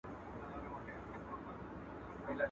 o پر زړه مي راځي، پر خوله مي نه راځي.